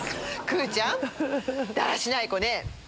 くーちゃんだらしない子ね！